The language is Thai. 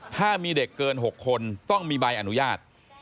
ถ้ามีเด็กเกิน๖คนต้องมีใบอนุญาต